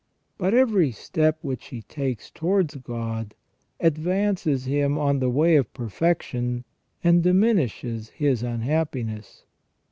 But every step which he takes towards God advances him on the way of perfection, and diminishes his unhappiness.